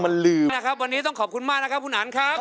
วันนี้ต้องขอบคุณมากนะครับคุณอันครับ